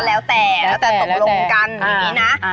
แล้วแต่แล้วแต่ตกลงกันอย่างนี้นะ